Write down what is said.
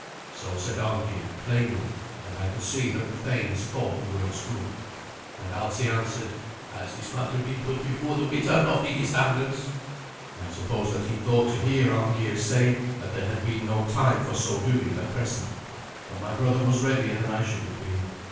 So said Arngeir, plainly, and I could see that the thanes thought the words good. And Alsi answered, "Has this matter been put before the Witan of the East Angles?" I suppose that he thought to hear Arngeir say that there had been no time for so doing at present, but my brother was readier than I should have been.